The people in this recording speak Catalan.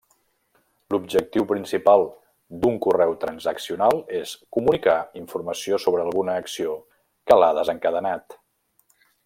L'objectiu principal d'un correu transaccional és comunicar informació sobre alguna acció que l'ha desencadenat.